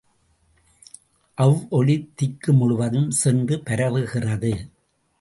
அவ்வொலி திக்கு முழுவதும் சென்று பரவுகிறது.